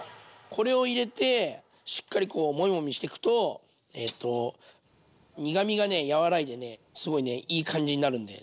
これを入れてしっかりこうもみもみしていくと苦みが和らいでねすごいねいい感じになるんで。